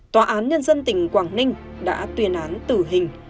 tòa án nhân dân tỉnh quảng ninh đã tuyên án tử hình